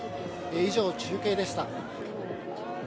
以上、中継でした。